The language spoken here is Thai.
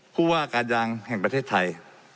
ผู้ว่าการยางแห่งประเทศไทย